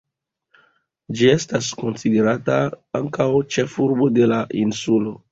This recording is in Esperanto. Ĝi estas konsiderata ankaŭ ĉefurbo de la insulo.